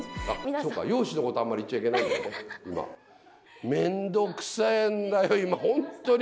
そうか、容姿のことはあんまり言っちゃいけないんだ、今。